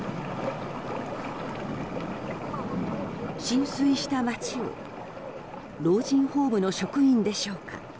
浸水した町を老人ホームの職員でしょうか